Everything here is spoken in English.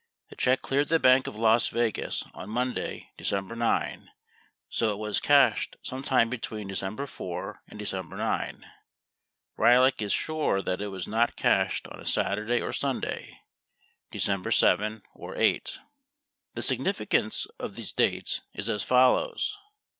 The check cleared the Bank of Las Vegas on Monday, December 9, so it was cashed sometime between December 4 and December 9. Ryhlick is sure that it was not cashed on a Saturday or Sunday (December 7 or 8). 21 The significance of these dates is as follows.